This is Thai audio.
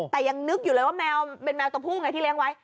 แต่ยังนึกอยู่เลยว่าแมวเป็นแมวตัวผู้ไงที่เลี้ยงไว้